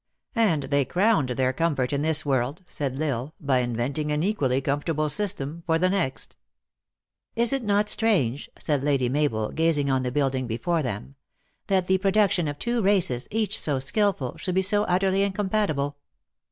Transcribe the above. "And they crowned their comfort in this world," said L Isle, " by inventing an equally comfortable system for the next." " Is it not strange," said Lady Mabel, gazing on 172 THE ACTRESS IN HIGH LIFE. the building before them, " that the production of two races, each so skillful, should be so utterly incompati ble.